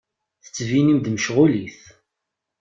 Tettbinem-d mecɣulit.